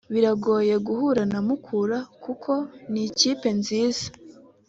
Biragoye guhura na Mukura kuko ni ikipe nziza